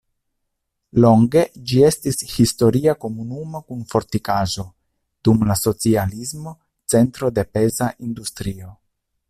Longe ĝi estis historia komunumo kun fortikaĵo, dum la socialismo centro de peza industrio.